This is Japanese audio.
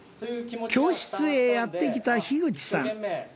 教室へやって来た樋口さん。